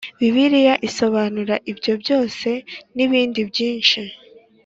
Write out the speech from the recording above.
Bibiliya isobanura ibyo byose nibindi byinshi